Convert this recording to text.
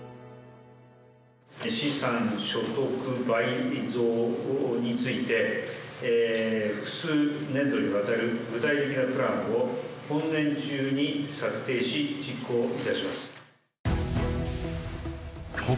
資産所得倍増について、複数年度にわたる具体的なプランを本年中に策定し、実行いたします。